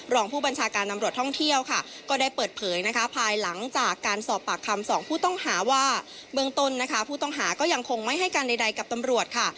รองผู้บัญชาการตำรวจท่องเที่ยวค่ะก็ได้เปิดเผยนะคะภายหลังจากการสอบปากคำสองผู้ต้องหาว่าเบื้องต้นนะคะผู้ต้องหาก็ยังคงไม่ให้การใดกับตำรวจค่ะ